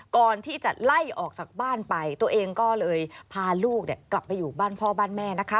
ก่อนที่จะไล่ออกจากบ้านไปตัวเองก็เลยพาลูกกลับไปอยู่บ้านพ่อบ้านแม่นะคะ